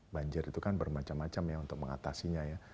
banjir itu kan bermacam macam ya untuk mengatasinya ya